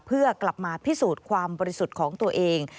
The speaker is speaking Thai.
เพื่อกลับมาพิสูจน์ความบริสุทธิ์ของตัวเอง